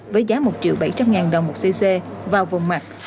với giá một triệu bảy trăm linh ngàn đồng một cc vào vùng mặt